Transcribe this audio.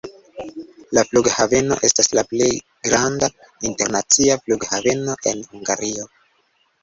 La Flughaveno estas la plej granda internacia flughaveno en Hungario.